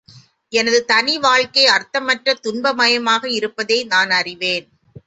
எனது தனி வாழ்க்கை அர்த்தமற்ற துன்ப மயமாக இருப்பதை நான் அறிவேன்.